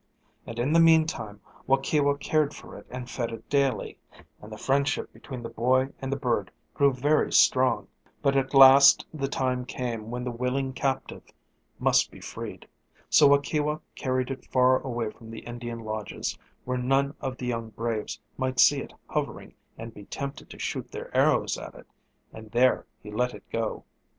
And in the meantime Waukewa cared for it and fed it daily, and the friendship between the boy and the bird grew very strong. [Illustration: "THE YOUNG EAGLE ROSE TOWARD THE SKY"] But at last the time came when the willing captive must be freed. So Waukewa carried it far away from the Indian lodges, where none of the young braves might see it hovering over and be tempted to shoot their arrows at it, and there he let it go.